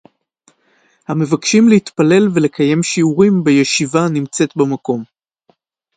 המבקשים להתפלל ולקיים שיעורים בישיבה הנמצאת במקום